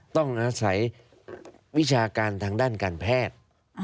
ต้องอาศัยวิชาการทางด้านการแพทย์